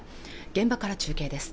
現場から中継です